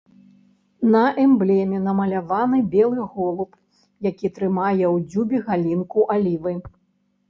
На эмблеме намаляваны белы голуб, які трымае ў дзюбе галінку алівы.